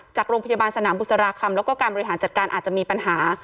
จากโรงพยาบาลสนามบุษราคำแล้วก็การบริหารจัดการอาจจะมีปัญหา